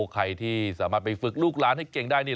ใครที่สามารถไปฝึกลูกหลานให้เก่งได้นี่